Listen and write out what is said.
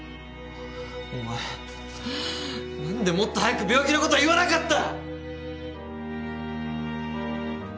お前はぁ何でもっと早く病気のこと言わなかった？